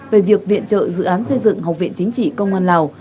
về việc viện trợ dự án xây dựng học viện chính trị công an lào